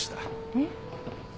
えっ？